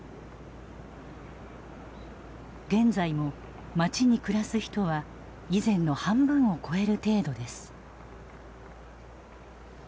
現在も町に暮らす人は以前の半分を超える程度です。